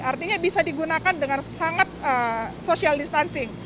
artinya bisa digunakan dengan sangat social distancing